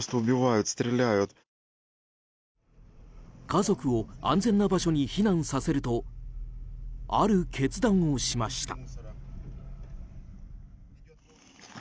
家族を安全な場所に避難させるとある決断をしました。